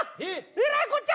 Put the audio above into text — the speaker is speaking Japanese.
えらいこっちゃ！